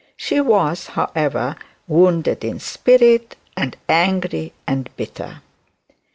She was, however, wounded in spirit, and very angry and bitter.